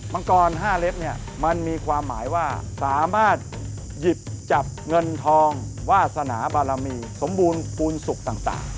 มังกร๕เล็บเนี่ยมันมีความหมายว่าสามารถหยิบจับเงินทองวาสนาบารมีสมบูรณ์ภูมิสุขต่าง